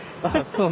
そう。